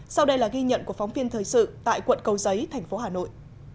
sau đây là ghi nhận của phóng viên thời sự tại quận cầu giấy thành phố hà nội